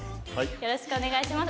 よろしくお願いします。